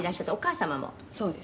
「そうです」